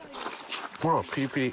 ほらピリピリ。